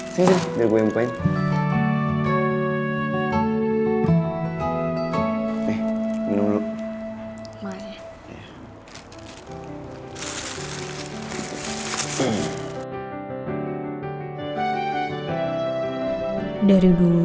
sini sini biar gue yang bukain